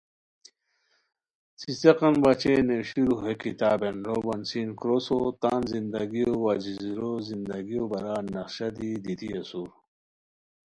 څیڅیقان بچین نیویشرو ہے کتابین روبن سین کروسو تان زندگیو وا جزیرو زندگیو بارا نقشہ دی دیتی اسور